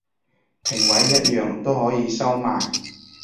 評委一樣都可以收買